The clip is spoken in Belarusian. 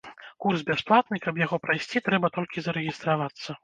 Курс бясплатны, каб яго прайсці, трэба толькі зарэгістравацца.